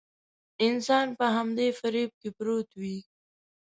انسان په همدې فريب کې پروت وي.